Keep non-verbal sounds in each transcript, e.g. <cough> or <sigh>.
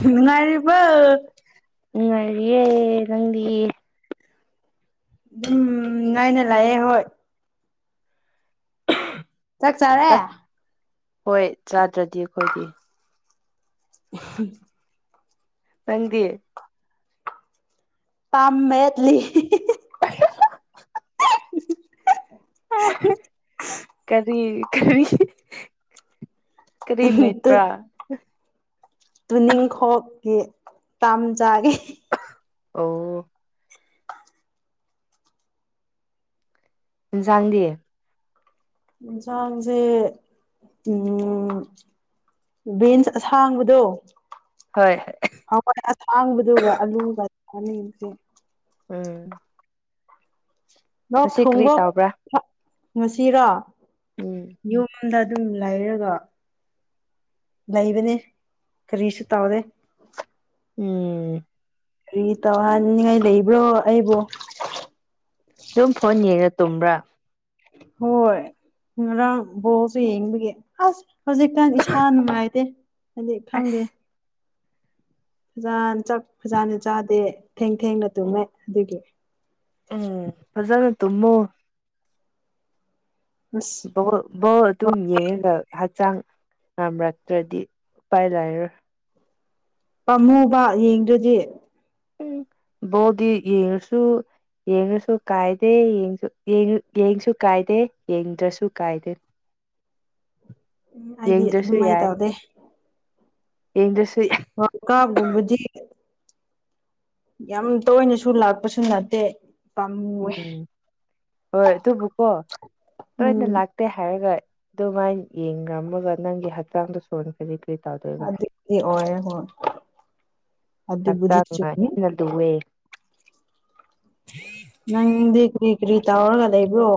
ꯅꯨꯉꯥꯏꯔꯤꯕꫭ ꯅꯨꯉꯥꯏꯔꯤꯌ‌ꯦ ꯅꯪꯗꯤ ꯎꯝ ꯉꯥꯏꯅ ꯂꯥꯛꯑꯦ ꯍꯣꯏ ꯆꯥꯛ ꯆꯥꯔꯦ ꯍꯣꯏ ꯆꯥꯗ꯭ꯔꯗꯤ ꯑꯩꯈꯣꯏꯗꯤ ꯎ <unintelligible> ꯅꯪꯗꯤ ꯄꯥꯝꯃꯦ ꯂꯤꯛꯏ ꯑꯥ ꯀꯔꯤ ꯀꯔꯤ ꯀꯔꯤꯃꯦꯠꯄꯔꯥ ꯇꯨꯅꯤꯡꯈꯣꯛꯀꯤ ꯄꯥꯝ ꯆꯥꯒꯤ ꯑꯣ ꯏꯁꯥꯡꯗꯤ ꯏ ꯆꯥꯡꯥꯡꯁꯦ ꯎꯝ ꯕꯤꯟꯁ ꯑꯁꯥꯡꯕꯗꯣ ꯍꯣꯏ ꯍꯣꯏ ꯊꯥꯡꯕꯗꯨꯒ ꯑꯂꯨꯒ ꯑꯅꯤꯖꯦ ꯎꯝ ꯉꯁꯤ ꯀꯔꯤ ꯂꯣꯛꯊꯨꯡꯕ꯭ꯔꯣ ꯇꯧꯕ꯭ꯔꯥ ꯐ ꯉꯁꯤꯔꯣ ꯎꯝ ꯌꯨꯝꯗ ꯑꯗꯨꯝ ꯂꯩꯔꯒ ꯂꯩꯕꯅꯦ ꯀꯔꯤꯁꯨ ꯇꯩꯗꯦ ꯎꯝ ꯀꯔꯤꯇꯧꯍꯟꯅꯤꯡꯉꯥꯏ ꯂꯩꯕ꯭ꯔꯣ ꯑꯩꯕꯨꯣ ꯑꯗꯨꯝ ꯐꯣꯟ ꯌꯦꯡꯉꯔ ꯇꯨꯝꯕ꯭ꯔꯥ ꯍꯣꯏ ꯉꯔꯥꯡ ꯕꯣꯜꯁꯨ ꯌꯦꯡꯕꯒꯤ ꯑꯁ ꯍꯧꯖꯤꯛꯀꯥꯟ ꯏꯁꯥ ꯅꯨꯡꯉꯥꯏꯇꯦ ꯍꯥꯏꯗꯤ ꯑꯁ ꯈꯪꯗꯦ ꯐꯖꯅ ꯆꯥꯛ ꯐꯖꯥꯅ ꯆꯥꯗꯦ ꯊꯦꯡ ꯊꯦꯡꯅ ꯇꯨꯝꯃꯦ ꯑꯗꯨꯒꯤ ꯎꯝ ꯐꯖꯅ ꯇꯨꯝꯃꯣ ꯑꯁ ꯕꯣꯜ ꯕꯣꯜ ꯑꯗꯨꯝ ꯌꯦꯡꯔꯒ ꯍꯛꯆꯥꯡ ꯉꯝꯔꯛꯇ꯭ꯔꯗꯤ ꯎꯄꯥꯏ ꯂꯩꯥꯏꯔꯣꯏ ꯄꯥꯝꯍꯨꯕ ꯌꯦꯡꯗ꯭ꯔꯗꯤ ꯎꯝ ꯕꯣꯜꯗꯤ ꯌꯦꯡꯔꯁꯨ ꯌꯦꯡꯉꯁꯨ ꯀꯥꯏꯗꯦꯁꯨ ꯌꯦꯡꯉ ꯌꯦꯡꯉ ꯌꯦꯡꯉꯁꯨ ꯀꯥꯏꯗꯦ ꯌꯦꯡꯗ꯭ꯔꯁꯨ ꯀꯥꯏꯗꯦ ꯎꯝ ꯍꯥꯏꯗꯤ ꯌꯦꯡꯗ꯭ꯔꯁꯨ ꯑꯗꯨꯃꯥꯏꯅ ꯌꯥꯏ ꯇꯧꯗꯦ ꯌꯦꯡꯗ꯭ꯔꯁꯨ ꯌꯥꯏ ꯉꯀꯥ ꯒꯨꯝꯕꯖꯤꯠ ꯌꯥꯝ ꯇꯣꯏꯅꯁꯨ ꯂꯥꯛꯄꯁꯨ ꯅꯠꯇꯦ ꯄꯥꯝꯃꯨꯋꯦ ꯎꯝ ꯍꯣꯏ ꯑꯗꯨꯕꯨꯀꯣ ꯇꯣꯏꯅ ꯎꯝ ꯂꯥꯛꯇꯦ ꯍꯥꯏꯔꯒ ꯑꯗꯨꯃꯥꯏꯅ ꯌꯦꯡꯉꯝꯃꯒ ꯅꯪꯒꯤ ꯍꯛꯆꯥꯡꯗꯣ ꯁꯣꯟꯈ꯭ꯔꯗꯤ ꯀꯔꯤ ꯇꯧꯗꯣꯏꯕ ꯑꯗꯨꯗꯤꯗꯤ ꯑꯣꯏꯌꯦ ꯍꯣꯏ ꯑꯗꯨꯕꯨꯗꯤ ꯍꯛꯆꯥꯡꯅ ꯆꯨꯝꯃꯤ ꯍꯦꯟꯅ ꯂꯨꯋꯦ ꯅꯪꯗꯤ ꯀꯔꯤ ꯀꯔꯤ ꯇꯧꯔꯒ ꯂꯩꯕ꯭ꯔꯣ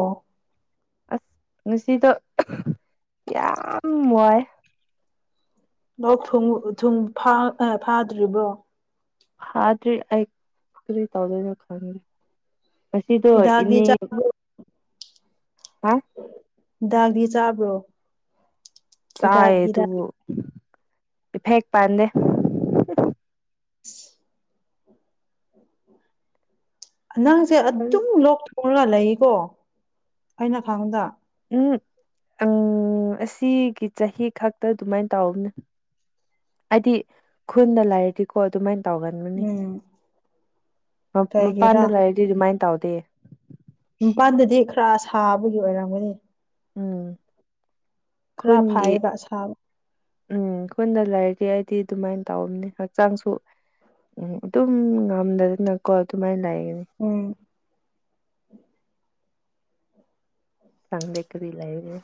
ꯑꯁ ꯉꯁꯤꯗꯣ ꯌꯥꯝ ꯋꯥꯏꯌꯦ ꯂꯣꯛꯊꯨꯡ ꯊꯨꯡ ꯐꯥ ꯑ ꯐꯥꯗ꯭ꯔꯤꯕꯣ ꯍꯥꯥꯗꯔꯤ ꯑꯩ ꯀꯔꯤ ꯇꯧꯗꯣꯏꯅꯣ ꯈꯪꯗ꯭ꯔꯦ ꯉꯁꯤꯗꯣ ꯍꯤꯗꯥꯛꯗꯤ ꯏꯅꯦ ꯆꯥꯕ꯭ꯔꯣ ꯍꯥ ꯗꯥꯛꯗꯤ ꯆꯥꯕ꯭ꯔꯣ ꯍꯤꯗꯥꯛ ꯆꯥꯏ ꯑꯗꯨ ꯍꯤꯗꯥꯛ ꯏꯐꯦꯛ ꯄꯥꯟꯗꯦ ꯅꯪꯁꯦ ꯑꯗꯨꯝ ꯂꯣꯛꯊꯨꯡꯂꯒ ꯂꯩꯑꯦꯀꯣ ꯑꯩꯅ ꯈꯪꯕꯗ ꯎꯝ ꯎꯝ ꯑꯁꯤꯒꯤ ꯆꯍꯤ ꯈꯛꯇ ꯑꯗꯨꯃꯥꯏꯅ ꯇꯧꯕꯅꯦ ꯍꯥꯏꯗꯤ ꯈꯨꯟꯗ ꯂꯩꯥꯏꯔꯗꯤꯀꯣ ꯑꯗꯨꯃꯥꯏꯅ ꯇꯧꯒꯟꯒꯅꯤ ꯎꯝ ꯀꯩꯒꯤꯔꯥ ꯃꯄꯥꯟꯗ ꯂꯩꯔꯗꯤ ꯑꯗꯨꯃꯥꯏꯅ ꯇꯧꯗꯤꯌꯦ ꯃꯄꯥꯜꯗꯗꯤ ꯈꯔ ꯁꯥꯕꯒꯤ ꯑꯣꯏꯔꯝꯒꯅꯤ ꯎꯝ ꯈꯔ ꯈꯨꯟꯒꯤ ꯐꯥꯏꯌꯦꯕ ꯑꯁꯥꯕ ꯎꯝ ꯈꯨꯟꯗ ꯂꯩꯔꯗꯤ ꯑꯩ ꯗꯤ ꯑꯗꯨꯃꯥꯏꯅ ꯇꯧꯝꯕꯅꯦ ꯍꯛꯆꯥꯡꯁꯨ ꯎꯝ ꯑꯗꯨꯝ ꯉꯝꯗꯗꯅꯀꯣ ꯑꯗꯨꯃꯥꯏꯅ ꯂꯩꯌꯦ ꯎꯝ ꯆꯥꯡꯗ ꯀꯔꯤ ꯂꯩꯔꯦ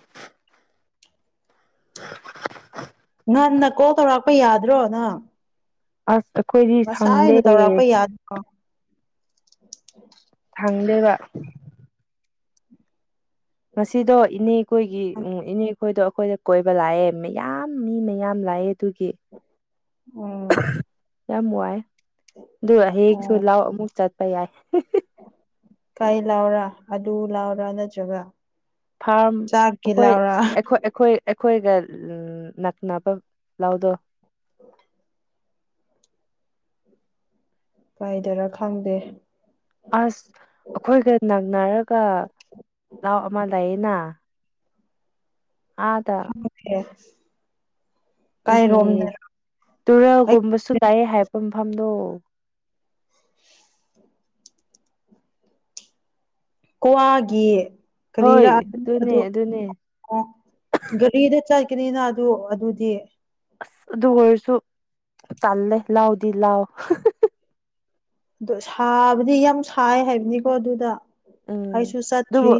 ꯉꯟꯅ ꯀꯣꯜ ꯇꯧꯔꯛꯄ ꯌꯥꯗ꯭ꯔꯣ ꯅꯪ ꯑꯁ ꯑꯩꯈꯣꯏꯗꯤ ꯁꯪꯗꯦ ꯆ.. ꯆ.. ꯆ.. ꯆꯠ ꯆꯪꯗꯦꯕ ꯉꯁꯤꯗꯣ ꯏꯅꯦꯈꯣꯏꯒꯤ ꯎꯝ ꯏꯅꯦ ꯑꯩꯈꯣꯏꯗꯣ ꯑꯩꯈꯣꯏꯗ ꯀꯣꯏꯕ ꯂꯥꯛꯑꯦ ꯃꯌꯥꯝ ꯃꯤ ꯃꯌꯥꯝ ꯂꯥꯛꯑꯦ ꯑꯗꯨꯒꯤ ꯎꯝ ꯌꯥꯝ ꯋꯥꯏ ꯑꯗꯨ ꯍꯥꯌꯦꯡꯁꯨ ꯂꯥꯎ ꯑꯃꯨꯛ ꯆꯠꯄ ꯌꯥꯏ ꯀꯥꯏ ꯂꯥꯛꯎꯔ ꯑꯗꯨ ꯂꯥꯎꯔꯥ ꯅꯠꯇ꯭ꯔꯒ ꯐꯥꯔꯝ ꯆꯥꯛꯀꯤ ꯑꯩꯈꯣꯏ ꯂꯧꯔꯥ ꯑꯩꯈꯣꯏ ꯑꯩꯈꯣꯏ ꯑꯩꯈꯣꯏꯒ ꯅꯛꯅꯕ ꯂꯧꯗꯣ <inaudible> ꯀꯥꯏꯗꯔ ꯈꯪꯗꯦ ꯑꯁ ꯑꯩꯈꯣꯏꯒ ꯅꯛꯅꯔꯒ ꯂꯥꯎ ꯑꯃ ꯂꯩꯌꯦꯅ ꯑꯥꯗ ꯈꯪꯗꯦ ꯏꯍꯦ ꯀꯥꯏꯔꯣꯝꯗꯔ ꯑꯩ ꯇꯨꯔꯦꯜꯒꯨꯝꯕꯁꯨ ꯂꯩꯌꯦ ꯍꯥꯏꯔꯛꯄ ꯃꯐꯝꯗꯣ <inaudible> ꯀꯥꯋꯥꯒꯤ ꯍꯣꯏ ꯀꯔꯤꯔ ꯑꯗꯨꯅꯦ ꯑꯗꯨ ꯑꯗꯨꯅꯦ ꯒꯥꯔꯤꯗ ꯆꯠ ꯀꯅꯤꯅ ꯑꯗꯨ ꯑꯗꯨꯗꯤ ꯑꯁ ꯑꯗꯨ ꯑꯣꯏꯔꯁꯨ ꯇꯜꯂꯦ ꯂꯥꯎꯗꯤ ꯂꯥꯎ ꯑꯗꯣ ꯁꯥꯕꯗꯤ ꯌꯥꯝ ꯁꯥꯏ ꯍꯥꯏꯕꯅꯤꯀꯣ ꯑꯗꯨꯗ ꯎꯝ ꯑꯩꯥꯁꯨ ꯆꯠꯇ꯭ꯔꯤ ꯑꯗꯨꯕꯨ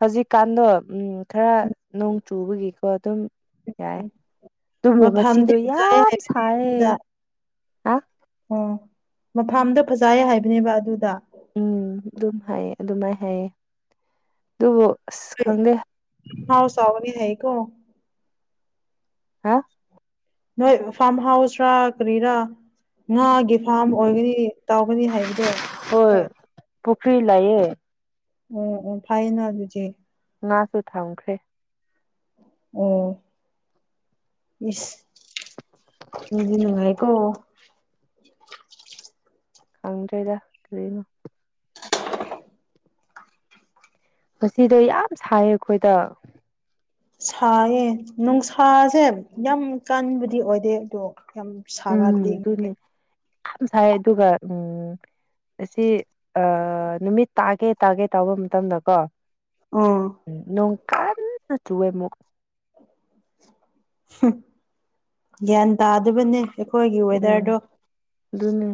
ꯍꯧꯖꯤꯛꯀꯥꯟꯗꯣ ꯎꯝ ꯈꯔ ꯅꯣꯡ ꯆꯨꯕꯒꯤꯀꯣ ꯑꯗꯨꯝ ꯌꯥꯏ ꯑꯗꯨꯕꯨ ꯃꯐꯝꯗꯤ ꯉꯁꯤꯗꯣ ꯐꯖꯩ ꯌꯥꯝ ꯁꯥꯏꯌꯦ ꯍꯥ ꯑꯣ ꯃꯐꯝꯗꯣ ꯐꯖꯩꯌꯦ ꯍꯥꯏꯕꯅꯦꯕ ꯑꯗꯨꯗ ꯎꯝ ꯑꯗꯨꯝ ꯍꯥꯏꯌꯦ ꯑꯗꯨꯃꯥꯏꯅ ꯍꯥꯏꯌꯦ ꯑꯗꯨꯕꯨ ꯑꯁ ꯈꯪꯗꯦ ꯍꯥꯎꯁ ꯁꯥꯕꯗꯤ ꯍꯩ ꯀꯣ ꯍꯥ ꯅꯣꯏ ꯐꯥꯔꯝ ꯍꯥꯎꯁ ꯔꯥ ꯀꯔꯤꯔꯥ ꯉꯥꯒꯤ ꯐꯥꯝ ꯑꯣꯏꯒꯅꯤ ꯇꯧꯒꯅꯤ ꯍꯥꯏꯕꯗꯣ ꯀ꯭ꯔꯤ ꯂꯩꯌꯦ ꯑꯣ ꯑꯣ ꯐꯩꯅ ꯑꯗꯨꯗꯤ ꯉꯥꯁꯨ ꯊꯝꯈ꯭ꯔꯦ ꯑꯣ ꯏꯁ ꯃꯤꯗꯤ ꯅꯨꯉꯥꯏꯀꯣ <inaudible> ꯈꯪꯗ꯭ꯔꯦꯗ ꯀ꯭ꯔꯤꯅꯣ ꯉꯁꯤꯗꯣ ꯌꯥꯝ ꯁꯥꯏꯌꯦ ꯑꯩꯈꯣꯏꯗ ꯁꯥꯥꯏꯌꯦ ꯅꯨꯡꯁꯥꯁꯦ ꯌꯥꯝ ꯀꯟꯕꯗꯤ ꯑꯣꯏꯗꯦ ꯑꯗꯣ ꯌꯥꯝ ꯎꯝ ꯁꯥꯒꯠꯂꯤꯅꯦ ꯑꯗꯨꯅꯦ ꯌꯥꯝ ꯁꯥꯏ ꯑꯗꯨꯒ ꯎꯝ ꯑꯁꯤ ꯅꯨꯃꯤꯠ ꯇꯥꯒꯦ ꯇꯥꯒꯦ ꯇꯧꯕ ꯃꯇꯝꯗꯀꯣ ꯑꯣ ꯅꯣꯡ ꯀꯟꯅ ꯆꯨꯋꯦ ꯑꯃꯨꯛ ꯒ꯭ꯌꯥꯟ ꯇꯥꯗꯕꯅꯦ ꯑꯩꯈꯣꯏꯒꯤ ꯎꯝ ꯋꯦꯗꯔꯗꯣ ꯑꯗꯨꯅꯦ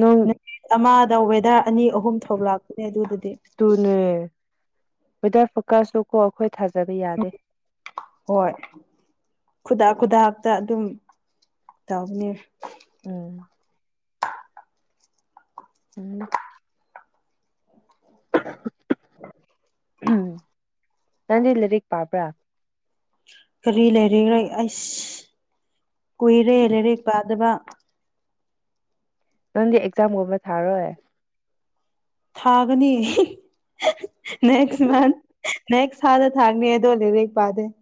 ꯅꯣꯡ ꯅꯨꯃꯤꯠ ꯑꯃꯗ ꯋꯦꯗꯔ ꯑꯅꯤ ꯑꯍꯨꯝ ꯊꯣꯛꯂꯛꯄꯅꯦ ꯑꯗꯨꯕꯨꯗꯤ ꯥ ꯋꯦꯗꯔ ꯐꯣꯀꯥꯁꯗꯣ ꯀꯣ ꯑꯈꯣꯏ ꯍꯣꯏ ꯈꯨꯗꯛ ꯈꯨꯗꯛꯇ ꯑꯗꯨꯝ ꯇꯧꯕꯅꯦ ꯎꯝ <inaudible> <inaudible> ꯎꯝ ꯅꯪꯗꯤ ꯂꯥꯏꯔꯤꯛ ꯄꯥꯕ꯭ꯔꯥ ꯀꯔꯤ ꯂꯥꯏꯔꯤꯛ ꯑꯁ ꯀꯨꯏꯔꯦ ꯂꯥꯏꯔꯛ ꯄꯥꯗꯕ ꯅꯪꯗꯤ ꯑꯦꯛꯖꯥꯝꯒꯨꯝꯕ ꯊꯥꯔꯣꯏ ꯊꯥꯒꯅꯤ ꯅꯦꯛꯁ ꯑꯁ ꯃꯟꯊ ꯅꯦꯛꯁ ꯊꯥꯗ ꯊꯥꯡꯅꯤ ꯑꯗꯨ ꯑꯣꯢꯗꯤ ꯂꯩꯔꯤꯛ ꯄꯗꯣꯏꯅꯤ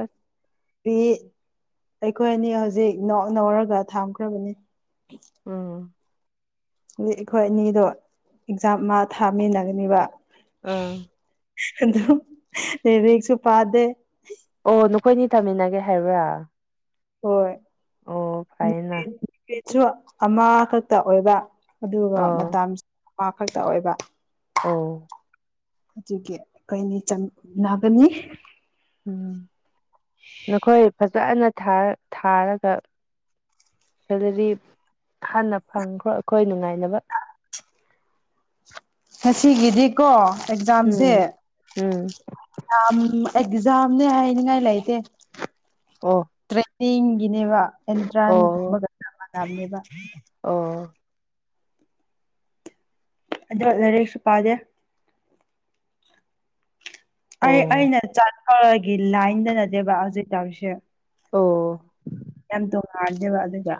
ꯑꯁ ꯄꯤ ꯑꯩꯈꯣꯏ ꯑꯅꯤ ꯍꯧꯖꯤꯛ ꯅꯣꯛ ꯅꯧꯔꯒ ꯊꯥꯝꯈ꯭ꯔꯕꯅꯤ ꯎꯝ ꯅꯤ ꯑꯩꯈꯣꯏ ꯑꯅꯤꯗꯣ ꯑꯦꯛꯖꯥꯝ ꯑꯃ ꯊꯥꯃꯤꯟꯅꯒꯅꯤꯕ ꯑꯥ ꯑꯗꯨ ꯂꯩꯔꯤꯛꯁꯨ ꯄꯥꯗꯦ ꯑꯣ ꯅꯈꯣꯏꯅꯤ ꯇꯥꯃꯤꯟꯅꯒꯦ ꯍꯥꯏꯕ꯭ꯔꯥ ꯍꯣꯏ ꯑꯣ ꯐꯥꯏꯅ ꯁꯨ ꯑꯃꯈꯛꯇ ꯑꯣꯏꯕ ꯑꯗꯨꯒ ꯑꯣ ꯃꯇꯝꯁꯨ ꯑꯃ ꯈꯛꯇ ꯑꯣꯏꯕ ꯑꯣ ꯑꯗꯨꯒꯤ ꯀꯩꯅꯤ ꯆꯝꯅꯒꯅꯤ ꯎꯝ ꯅꯈꯣꯏ ꯐꯖꯅ ꯊꯥꯔꯒ ꯁꯦꯂꯔꯤ ꯍꯥꯟꯅ ꯐꯪꯈ꯭ꯔꯣ ꯑꯩꯈꯣꯏ ꯅꯨꯡꯉꯥꯏꯅꯕ ꯁꯤꯒꯤꯗꯤꯀꯣ ꯑꯦꯛꯖꯥꯝꯁꯦ ꯎꯝ ꯎꯝ ꯌꯥꯝ ꯑꯦꯛꯖꯥꯝꯅꯦ ꯍꯥꯏꯅꯤꯡꯉꯥꯏ ꯂꯩꯇꯦ ꯑꯣ ꯇꯦꯡꯒꯤꯅꯦꯕ ꯑꯦꯟꯇꯔꯥꯟ ꯑꯣ ꯕꯒ ꯃꯥꯅꯕꯅꯦꯕꯥ ꯑꯣ ꯑꯗꯣ ꯂꯥꯏꯔꯤꯛꯁꯨ ꯄꯥꯗꯦ ꯑꯩ ꯑꯣ ꯑꯩꯅ ꯆꯠꯊꯔꯒꯤ ꯂꯥꯏꯟꯗ ꯅꯠꯇꯦꯕ ꯍꯧꯖꯤꯛ ꯇꯧꯔꯤꯁꯦ ꯑꯣ ꯌꯥꯝ ꯇꯨꯉꯥꯜꯂꯦꯕꯥ ꯑꯗꯨꯗꯣ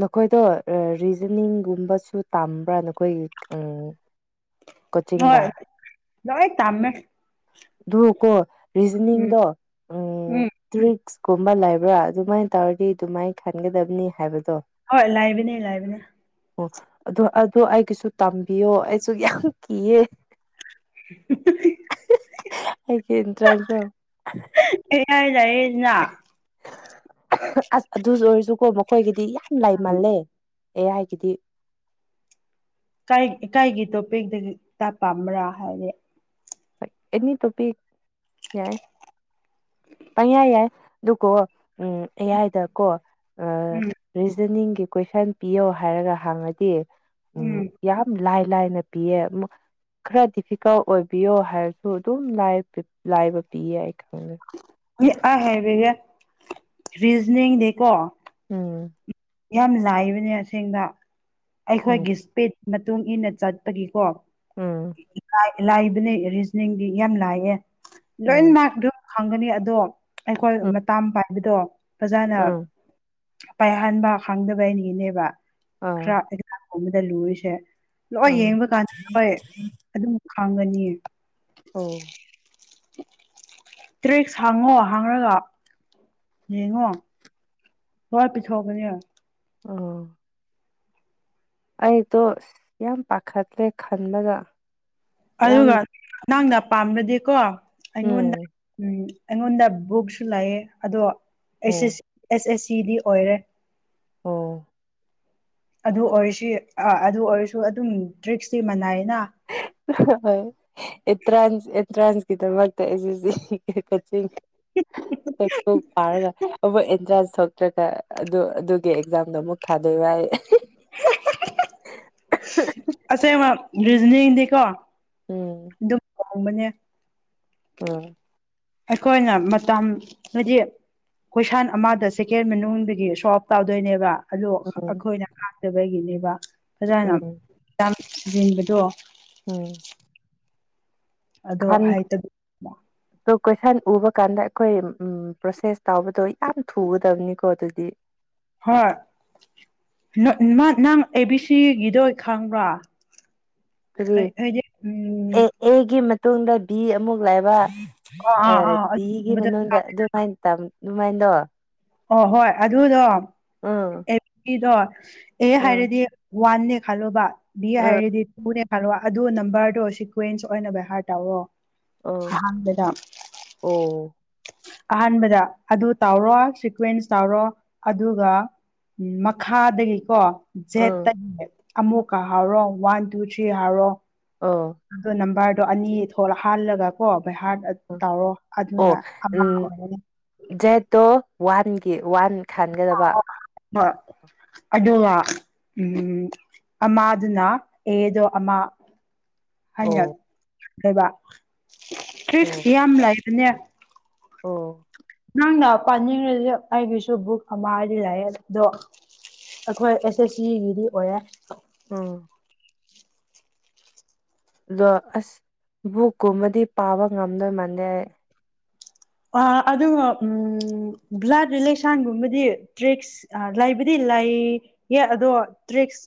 ꯅꯈꯣꯏꯗꯣ ꯔꯤꯖꯅꯤꯡꯒꯨꯝꯕꯁꯨ ꯇꯝꯕ꯭ꯔꯥ ꯅꯈꯣꯏꯒꯤ ꯑꯃ ꯀꯣꯆꯤꯡꯗ ꯍꯣꯏ ꯂꯣꯏ ꯇꯝꯃꯦ ꯑꯗꯨ ꯀꯣ ꯎꯝ ꯔꯤꯖꯅꯤꯡꯗꯣ ꯎꯝ ꯇꯔꯤ ꯁꯛ ꯀꯨꯝꯕ ꯂꯩꯕ꯭ꯔꯥ ꯑꯗꯨꯃꯥꯏꯅ ꯇꯧꯔꯗꯤ ꯑꯗꯨꯃꯥꯏꯅ ꯈꯟꯒꯗꯕꯅꯤ ꯍꯥꯏꯕꯗꯣ ꯍꯣꯏ ꯂꯥꯏꯕꯤꯅꯦ ꯂꯥꯏꯕꯤꯅꯦ ꯑꯣ ꯑꯗꯨ ꯑꯗꯨ ꯑꯩꯒꯤꯁꯨ ꯇꯝꯕꯤꯌꯣ ꯑꯩꯁꯨ ꯌꯥꯝ ꯀꯤꯌꯦ <inaudible> ꯑꯩꯒꯤ ꯏꯟꯇꯔꯥꯟꯁꯇꯣ ꯌꯥꯏꯌꯦ ꯅꯥ ꯑꯁ ꯑꯗꯨꯁꯨ ꯑꯣꯏꯔꯁꯨꯀꯣ ꯃꯈꯣꯏꯒꯤꯗꯤ ꯌꯥꯝ ꯂꯥꯏꯃꯜꯂꯦ ꯑꯦꯌꯥꯏꯒꯤꯗꯤ ꯀꯥꯏꯒꯤ ꯇꯣꯄꯤꯛꯇꯥꯒꯤꯇꯥ ꯄꯥꯝꯕ꯭ꯔꯥ ꯍꯥꯏꯗꯤ ꯑꯦꯅꯤ ꯇꯨꯞꯄꯤꯛ ꯌꯥꯏ ꯄꯌꯥ ꯌꯥꯏ ꯑꯗꯨꯀꯣ ꯎꯝ ꯑꯦꯌꯥꯏꯗꯀꯣ ꯎꯝ ꯖꯅꯤꯡꯒꯤ ꯀꯣꯏꯁꯟ ꯄꯤꯌꯣ ꯍꯥꯏꯔꯒꯥ ꯍꯡꯉꯥꯗꯤ ꯎꯝ ꯌꯥꯝ ꯂꯥꯏ ꯂꯥꯏꯅ ꯄꯤꯌꯦ ꯈꯔ ꯗꯤꯐꯤꯀꯜ ꯑꯣꯏꯕꯤꯌꯣ ꯍꯥꯏꯔꯁꯨ ꯑꯗꯨ ꯑꯗꯨꯝ ꯂꯥꯏꯕ ꯄꯤꯌꯦ ꯑꯩ ꯈꯪꯉꯦ ꯈꯣꯏꯒꯤ ꯑ ꯍꯥꯏꯔꯥꯒ ꯔꯤꯖꯅꯤꯡꯗꯤꯀꯣ ꯎꯝ ꯌꯥꯝ ꯂꯥꯏꯕꯅꯦ ꯑꯁꯦꯡꯕ ꯎꯝ ꯑꯩꯈꯣꯏꯒꯤ ꯁꯄꯤꯠ ꯃꯇꯨꯡ ꯏꯟꯅ ꯆꯠꯄꯒꯤꯀꯣ ꯎꯝ ꯂꯥꯏꯕꯅꯦ ꯔꯤꯖꯅꯤꯡꯗꯤ ꯌꯥꯝ ꯂꯥꯏꯌꯦ ꯂꯣꯏ ꯃꯥꯔꯗꯣ ꯈꯪꯒꯅꯤ ꯑꯗꯣ ꯑꯩꯈꯣꯏ ꯎꯝ ꯃꯇꯥꯝ ꯄꯥꯏꯕꯗꯣ ꯐꯥꯖꯅ ꯎꯝ ꯄꯥꯏꯍꯟꯕ ꯈꯪꯗꯕ ꯍꯦꯟꯅꯥ ꯍꯦꯟꯅꯤꯕꯥ ꯑꯥ ꯑꯃꯗ ꯂꯨꯔꯤꯁꯦ ꯂꯣꯏ ꯑꯥ ꯌꯦꯡꯕ ꯀꯥꯟꯗ ꯍꯣꯏ ꯑꯗꯨꯝ ꯈꯪꯒꯅꯤ ꯑꯣ ꯇ꯭ꯔꯦꯛꯁ ꯍꯥꯡꯉꯣ ꯍꯥꯡꯉꯒ ꯌꯦꯡꯉꯣ ꯍꯔ ꯄꯁꯨꯣꯛꯕꯅꯦ ꯑꯣ ꯑꯩꯗꯣ ꯌꯥꯝ ꯄꯥꯈꯠꯂꯦ ꯈꯟꯕꯗ ꯑꯗꯨꯒ ꯌꯥꯝ ꯅꯉꯥꯡꯅ ꯄꯥꯝꯝꯕ꯭ꯔꯗꯤꯀꯣ ꯑꯩꯉꯣꯟꯗ ꯎꯝ ꯎꯝ ꯑꯩꯉꯣꯟꯗ ꯕꯨꯛꯁꯨ ꯂꯥꯛꯑꯦ ꯑꯗꯣꯁ ꯑꯦꯁ ꯑꯣ ꯑꯦꯁ ꯁꯤꯗꯤ ꯑꯣꯏꯔꯦ ꯑꯣ ꯑꯗꯨ ꯑꯣꯏꯔꯁꯤ ꯑꯥ ꯑꯗꯨ ꯑꯣꯏꯔꯁꯨ ꯑꯗꯨꯝ ꯗ꯭ꯔꯤꯛꯁꯇꯤ ꯃꯅꯥꯏꯅ ꯍꯣꯏꯥꯟ ꯑꯦꯟꯇ꯭ꯔꯥꯟꯁꯀꯤꯗꯃꯛꯇ ꯑꯩꯁ ꯀꯤꯡ ꯐ ꯄꯥꯔꯒ ꯑꯦꯟꯇꯔꯦꯁ ꯅꯠꯇ꯭ꯔꯒ ꯑꯗꯨ ꯑꯗꯨꯒꯤ ꯑꯦꯛꯖꯥꯝꯗꯣ ꯑꯃꯨꯛ ꯊꯥꯗꯣꯏ ꯍꯥꯏꯏ ꯑꯁꯦ ꯔꯤꯖꯅꯤꯗꯦ ꯀꯣ ꯎꯝ ꯑꯗꯨꯝ ꯍꯣꯡꯕꯅꯦ ꯎꯝ ꯑꯩꯈꯣꯏꯅ ꯃꯇꯝ ꯍꯧꯗꯤ ꯀꯣꯏꯁꯥꯟ ꯑꯃꯗ ꯁꯦꯀꯦꯟ ꯃꯅꯨꯡꯗꯒꯤ ꯁꯣ ꯑꯞ ꯇꯧꯗꯣꯏꯅꯦꯕ ꯑꯗꯣ ꯎꯝ ꯑꯩꯈꯣꯏꯅ ꯍꯥꯛꯇꯕꯒꯤꯅꯦꯕ ꯐꯖꯅ ꯊꯖꯤꯟꯕꯗꯣ ꯑꯣꯝ ꯑꯗꯣ ꯍꯥꯏꯇꯕꯤ ꯑꯗꯣ ꯀꯣꯏꯁꯟ ꯎꯕ ꯀꯥꯟꯗ ꯑꯩꯈꯣꯏ ꯎ ꯄ꯭ꯔꯣꯁꯦꯁ ꯇꯧꯕꯕꯗꯣ ꯌꯥꯝ ꯊꯨꯒꯗꯕꯅꯤꯀꯣ ꯑꯗꯨꯗꯤ ꯍꯣꯏ ꯅꯪ ꯑꯦꯕꯤ ꯁꯤꯒꯤꯗꯣ ꯈꯪꯕ꯭ꯔꯥ ꯀ ꯍꯥꯏꯗꯤ ꯎꯝ ꯑꯦ ꯍꯒꯤ ꯃ ꯇꯨꯡꯗ ꯚ ꯑꯃꯨꯛ ꯂꯥꯛꯕ ꯑꯥ ꯑꯥ ꯙꯒꯤ ꯃꯅꯨꯡꯗ ꯑꯥ ꯑꯗꯨꯃꯥꯏꯅ ꯇ ꯑꯗꯨꯅꯨꯡꯃꯥꯏꯅꯗꯣ ꯑꯣ ꯍꯣꯏ ꯑꯗꯨꯗꯣ ꯎꯝ ꯑꯦꯗꯣ ꯑꯦ ꯎꯝ ꯍꯥꯏꯔꯗꯤ ꯋꯥꯟ ꯂꯤ ꯈꯜꯂꯣꯕ ꯕꯤ ꯎꯝ ꯍꯥꯏꯔꯗꯤ ꯇꯨꯅꯦ ꯈꯜꯂꯣ ꯑꯗꯨ ꯅꯝꯕꯔꯗꯣ ꯁꯤꯀ꯭ꯋꯦꯟꯁ ꯑꯣꯏꯅ ꯚ ꯍꯥꯏꯔ ꯇꯧꯔꯑꯣꯣ ꯑꯥ ꯑꯣ ꯑꯍꯥꯟꯕꯗ ꯑꯗꯨ ꯇꯥꯎꯔꯣ ꯇ꯭ꯋꯦꯟꯁ ꯇꯧꯔꯣ ꯑꯗꯨꯒ ꯃꯈꯥꯗꯒꯤꯀꯣ ꯎꯝ ꯖꯦꯠꯇꯒꯤ ꯑꯃꯨꯛꯀ ꯍꯥꯎꯔꯣ ꯋꯥꯟ ꯇꯨ ꯊ꯭ꯔꯤ ꯍꯥꯎꯔꯣ ꯑꯣ ꯅꯝꯕꯔ ꯑꯗꯣ ꯑꯅꯤ ꯊꯣꯛꯂꯛ ꯍꯥꯜꯂꯒ ꯀꯣ ꯑꯩꯣꯏ ꯍꯥꯔꯠ ꯎꯝ ꯇꯧꯔꯣ ꯑꯗꯨꯅ ꯑꯣ ꯑꯃ ꯎꯝ ꯑꯣꯏꯅꯤ ꯖꯦꯠꯇꯣ ꯋꯥꯟꯒꯤ ꯋꯥꯟ ꯈꯥꯟꯒꯗꯕ ꯍ ꯑ ꯎꯝ ꯑꯃꯥꯗꯨꯅ ꯑꯦꯗꯣ ꯑꯃꯥ ꯍꯥꯏꯉ ꯑꯣ ꯂꯩꯕ ꯇꯔꯤ ꯑꯣ ꯌꯥꯝ ꯂꯥꯏꯕꯅꯦ ꯑꯣ ꯅꯪꯅ ꯄꯥꯅꯤꯡꯈꯗꯤ ꯑꯩꯒꯤꯁꯨ ꯕꯨꯛ ꯑꯃ ꯍꯥꯏꯗꯤ ꯂꯩꯑꯦ ꯑꯗꯣ ꯑꯩꯈꯣꯏ ꯑꯦꯁ ꯑꯦꯁ ꯁꯤꯒꯤꯗꯤ ꯑꯣꯏꯔꯦ ꯎꯝ ꯑꯗꯣ ꯑꯁ ꯕꯨꯕꯨꯀꯨꯝꯕꯗꯤ ꯄꯥꯕ ꯉꯝꯗꯣꯏ ꯃꯥꯟꯗꯦ ꯑꯩ ꯑꯗꯨꯒ ꯕ꯭ꯂꯗ ꯔꯤꯂꯦꯛꯁꯟꯒꯨꯝꯕꯗꯤ ꯇ꯭ꯔꯔꯤꯛꯁ ꯂꯩꯕꯗꯤ ꯂꯩ ꯌꯦ ꯑꯗꯣ ꯇꯔꯤꯛꯁ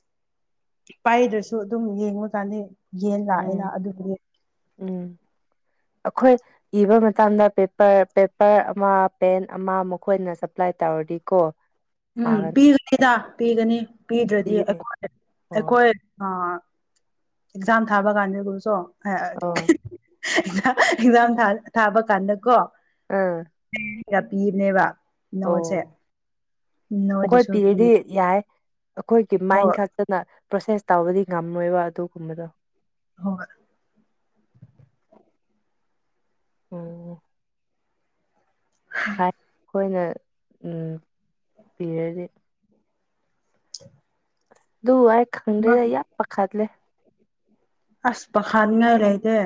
ꯄꯥꯏꯗ꯭ꯔꯁꯨ ꯑꯗꯨꯝ ꯌꯦꯡꯉꯨ ꯀꯥꯟꯅꯤ ꯌꯦꯟ ꯂꯥꯛꯑꯦꯅ ꯎꯝ ꯑꯗꯨꯕꯨꯗꯤ ꯎꯝ ꯑꯩꯈꯣꯏ ꯏꯕ ꯃꯇꯝꯗ ꯄꯦꯄꯔ ꯄꯦꯄꯔ ꯑꯃ ꯄꯦꯟ ꯑꯃ ꯃꯈꯣꯏꯅ ꯁꯄ꯭ꯂꯥꯏ ꯇꯧꯔꯗꯤ ꯀꯣ ꯎꯝ ꯄꯤꯒꯅꯤꯗ ꯄꯤꯒꯅꯤ ꯄꯤꯗ꯭ꯔꯗꯤ ꯄꯤꯒꯅꯤ ꯑꯩꯈꯣꯏ ꯑꯣ ꯑꯩꯈꯣꯏ ꯑ ꯑꯦꯛꯖꯥꯝ ꯊꯥꯕ ꯀꯥꯟꯗ ꯒꯨꯔꯨꯁꯨꯣ ꯑꯣ ꯑꯦꯛꯖꯥꯝ ꯊꯥꯕ ꯀꯥꯟꯗꯀꯣ ꯑꯥ ꯒ ꯄꯤꯕꯅꯦꯕ ꯅꯣꯠꯁꯦ ꯑꯣ ꯃꯈꯣꯏ ꯅꯣꯏꯗꯨꯁꯨ ꯄꯤ ꯄꯤꯔꯗꯤ ꯌꯥꯏ ꯑꯩꯈꯣꯏꯒꯤ ꯃꯥꯏꯟ ꯍꯣꯏ ꯈꯛꯇꯅ ꯄ꯭ꯔꯣꯁꯦꯁ ꯇꯧꯕꯗꯤ ꯉꯝꯂꯣꯏꯕ ꯑꯗꯨꯒꯨꯝꯕꯗꯣ ꯍ ꯑꯣ <unintelligible> ꯑꯩꯈꯣꯏꯅ ꯄꯤꯔꯗꯤ ꯨ ꯍꯥꯏ ꯈꯪꯗ ꯌꯥ ꯌꯥ ꯄ ꯈꯗ ꯂꯩ ꯑꯁ ꯈꯥꯅ ꯔꯦꯗꯦ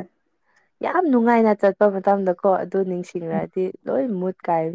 ꯌꯥꯝ ꯅꯨꯡꯉꯥꯏꯅ ꯆꯠꯄ ꯃꯇꯝꯗꯀꯣ ꯑꯗꯨ ꯅꯤꯡꯁꯤꯡꯂꯛꯗꯤ ꯂꯣꯏ ꯃꯨꯠ ꯀꯥꯏ